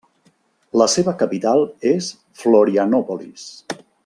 La seva capital és Florianópolis.